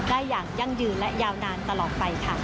อย่างยั่งยืนและยาวนานตลอดไปค่ะ